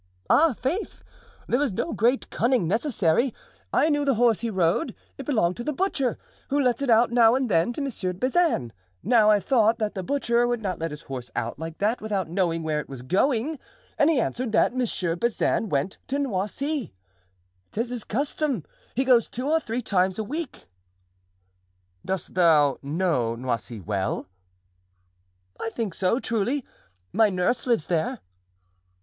"Ah, faith! there was no great cunning necessary. I knew the horse he rode; it belonged to the butcher, who lets it out now and then to M. Bazin. Now I thought that the butcher would not let his horse out like that without knowing where it was going. And he answered 'that Monsieur Bazin went to Noisy.' 'Tis his custom. He goes two or three times a week." "Dost thou know Noisy well?" "I think so, truly; my nurse lives there."